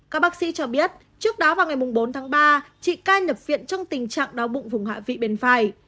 các bác sĩ cho biết trước đó vào ngày bốn tháng ba chị cai nhập viện trong tình trạng đau bụng vùng hạ vị bên phải